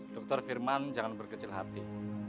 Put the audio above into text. dokter firman jangan berkecil hati